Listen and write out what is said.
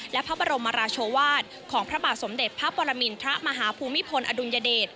และพระบรมราชวาสของพระบาทสมเด็จพระปรมินทรมาฮภูมิพลอดุลยเดช